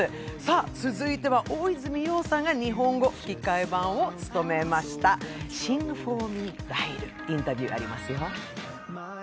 続いては大泉洋さんが日本語吹き替え版を務めました「シング・フォー・ミー、ライル」、インタビューありますよ。